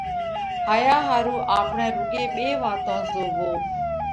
هايا ۿارُو آپڻئہ روڳي ٻي واتون زووو۔